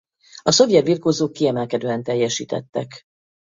A szovjet birkózók kiemelkedően teljesítettek.